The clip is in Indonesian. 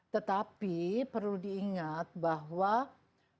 tetapi perlu diingat bahwa kita itu banyak kehilangan